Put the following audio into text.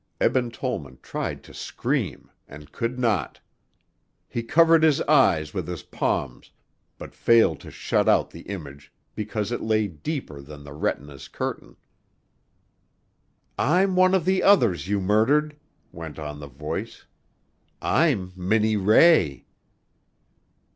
Eben Tollman tried to scream and could not. He covered his eyes with his palms, but failed to shut out the image because it lay deeper than the retina's curtain. "I'm one of the others you murdered," went on the voice. "I'm Minnie Ray."